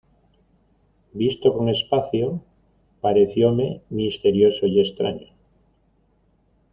visto con espacio, parecióme misterioso y extraño: